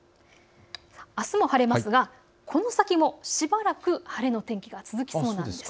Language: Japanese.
あすも晴れますがこの先もしばらく晴れの天気が続きそうなんです。